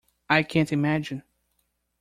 I can't imagine.